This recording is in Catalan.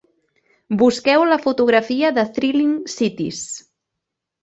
Busqueu la fotografia de Thrilling Cities.